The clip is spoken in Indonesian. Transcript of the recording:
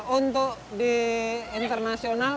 untuk di internasional